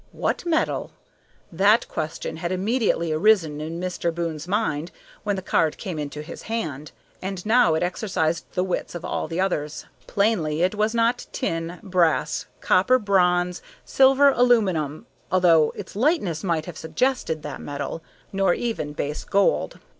What metal? That question had immediately arisen in Mr. Boon's mind when the card came into his hand, and now it exercised the wits of all the others. Plainly it was not tin, brass, copper, bronze, silver, aluminum although its lightness might have suggested that metal nor even base gold.